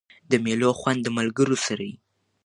د مېلو خوند د ملګرو سره يي.